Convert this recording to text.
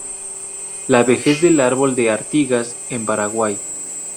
La vejez del árbol de Artigas en Paraguay.